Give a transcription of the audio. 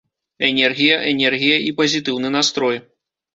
Энергія, энергія і пазітыўны настрой.